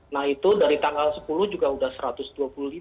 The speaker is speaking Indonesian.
nah itu dari tanggal sepuluh juga sudah rp satu ratus dua puluh lima